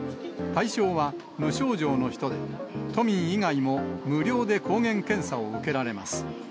対象は無症状の人で、都民以外も無料で抗原検査を受けられます。